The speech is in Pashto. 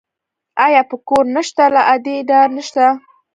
ابا په کور نه شته، له ادې ډار نه شته